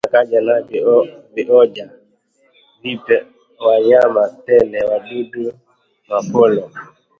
tena kaja na vioja vipya wanyama tele wadudu mapolo